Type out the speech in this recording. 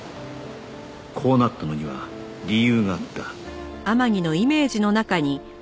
こうなったのには理由があった